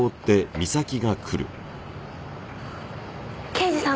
刑事さん！